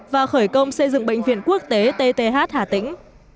và khởi công xây dựng bệnh viện quốc tế tth hà tĩnh